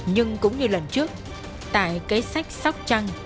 nhưng cũng như lần trước tại cấy sách sóc trăng